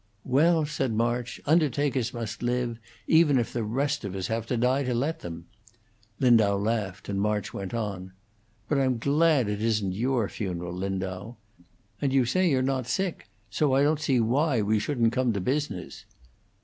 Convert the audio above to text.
"Well," said March, "undertakers must live, even if the rest of us have to die to let them." Lindau laughed, and March went on: "But I'm glad it isn't your funeral, Lindau. And you say you're not sick, and so I don't see why we shouldn't come to business."